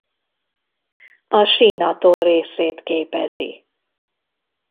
A Siin atoll részét képezi.